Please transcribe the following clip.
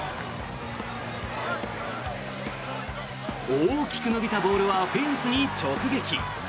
大きく伸びたボールはフェンスに直撃。